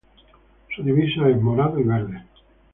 Su divisa es Morado y Verde.